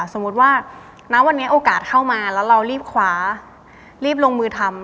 สมมุติว่าณวันนี้โอกาสเข้ามาแล้วเรารีบคว้ารีบลงมือทำ